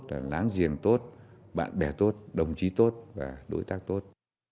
là láng giềng tốt bạn bè tốt đồng chí tốt và đối tác tốt